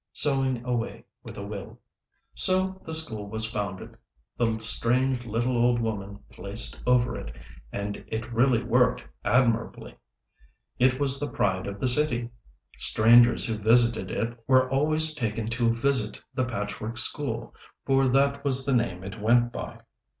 sewing away with a will. [Illustration: THE PATCHWORK WOMAN.] So the school was founded, the strange little old woman placed over it, and it really worked admirably. It was the pride of the city. Strangers who visited it were always taken to visit the Patchwork School, for that was the name it went by.